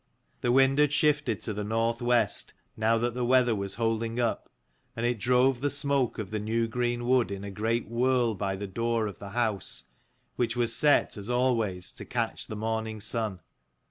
The wind had shifted to the north west, now that the weather was holding up ; and it drove the smoke of the new green wood in a great whirl by the door of the house, which was set, as always, to catch the morning sun.